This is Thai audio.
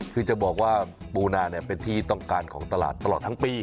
คือจะบอกว่าปูนาเป็นที่ต้องการของตลาดตลอดทั้งปี